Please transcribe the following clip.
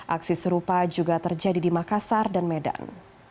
aksi serupa juga terjadi di makassar dan medan